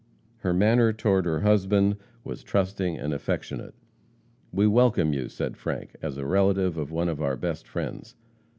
Her manner toward her husband was trusting and affectionate. 'We welcome you,' said Frank, 'as a relative of one of our best friends.